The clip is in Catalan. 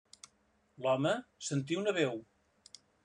L'home sentí una veu.